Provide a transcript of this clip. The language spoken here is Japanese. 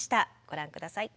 ご覧下さい。